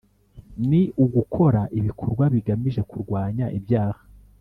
Ni ugukora ibikorwa bigamije kurwanya ibyaha